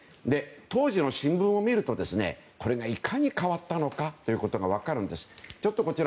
当時の新聞を見るとこれが、いかに変わったのかが分かるんです。